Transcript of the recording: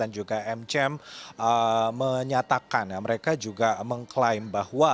dan juga mcm menyatakan mereka juga mengklaim bahwa